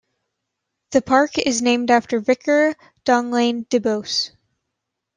The park is named after Victor Donglain Duboce.